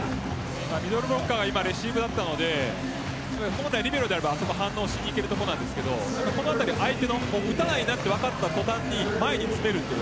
ミドルブロッカーが今、レシーブだったので本来リベロであれば反応しにいけるところですがそのあたりを相手の打たないなって分かった所に前につめるという。